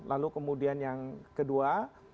lalu kemudian yang kedua